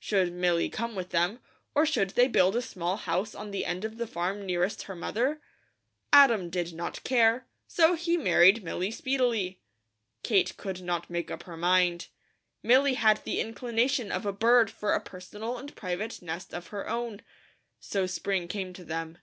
Should Milly come with them, or should they build a small house on the end of the farm nearest her mother? Adam did not care, so he married Milly speedily. Kate could not make up her mind. Milly had the inclination of a bird for a personal and private nest of her own. So spring came to them.